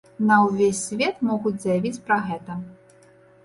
На ўвесь свет могуць заявіць пра гэта.